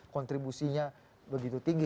kontribusinya begitu tinggi